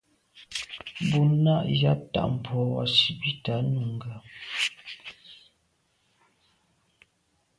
Bú nâ' yɑ́p tà' mbrò wàsìbìtǎ Nùnga.